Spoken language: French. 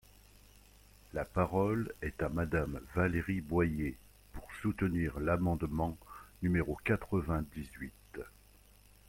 La parole est à Madame Valérie Boyer, pour soutenir l’amendement numéro quatre-vingt-dix-huit.